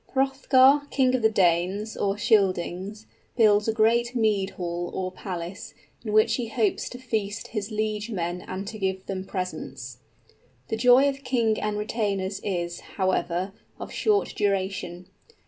_ _Hrothgar, king of the Danes, or Scyldings, builds a great mead hall, or palace, in which he hopes to feast his liegemen and to give them presents. The joy of king and retainers is, however, of short duration.